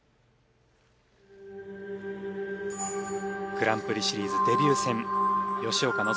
グランプリシリーズデビュー戦吉岡希。